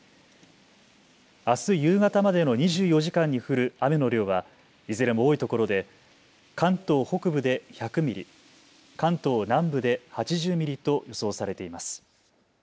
あす夕方までの２４時間に降る雨の量はいずれも多いところで関東北部で１００ミリ、関東南部で８０ミリと予想されています。